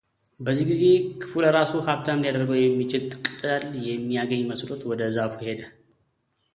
በዚህ ጊዜ ክፉለራሱ ሃብታም ሊያደርገው የሚችል ቅጠል የሚያገኝ መስሎት ወደ ዛፉ ሄደ፡፡